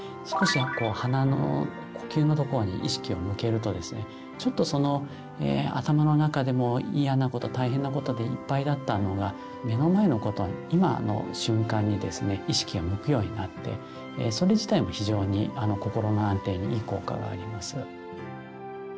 少し鼻の呼吸のところに意識を向けるとですねちょっと頭の中でも嫌なこと大変なことでいっぱいだったのが目の前のこと今の瞬間にですね意識が向くようになってそれ自体も非常に心の安定にいい効果があります。